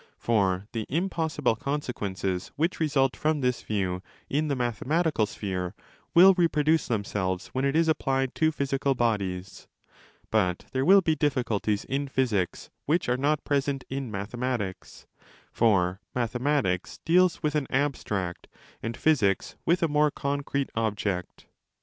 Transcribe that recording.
For the impossible consequences which result from this view in the mathematical sphere will reproduce themselves when it is applied to physical bodies, 15 but there will be difficulties in physics which are not present in mathematics; for mathematics deals with an abstract and physics with a more concrete object.